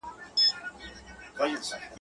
شین طوطي کیسې د ټوکو جوړولې.